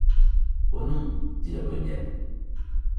Oh! non, dit la bohémienne.